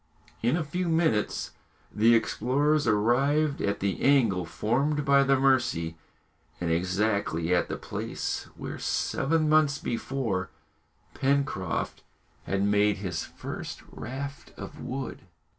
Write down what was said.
In a few minutes the explorers arrived at the angle formed by the Mercy, and exactly at the place where, seven months before, Pencroft had made his first raft of wood.